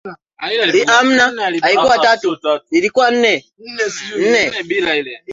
lakini pia hawa watu wa kaskasini